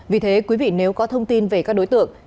vì thế quý vị nếu có thông tin về các đối tượng